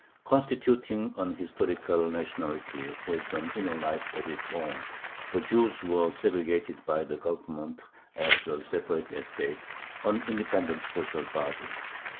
Constituting an historical nationality, with an inner life of its own, the Jews were segregated by the Government as a separate estate, an independent social body.